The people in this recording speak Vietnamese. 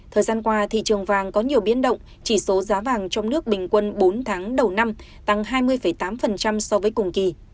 thời gian qua thị trường vàng có nhiều biến động chỉ số giá vàng trong nước bình quân bốn tháng đầu năm tăng hai mươi tám so với cùng kỳ